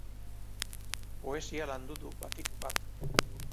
Poesia landu du batik bat.